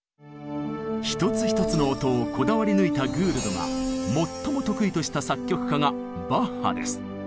一つ一つの音をこだわり抜いたグールドが最も得意とした作曲家がバッハです。